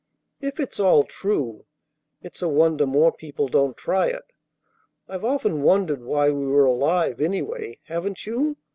If it's all true, it's a wonder more people don't try it. I've often wondered why we were alive, anyway, haven't you?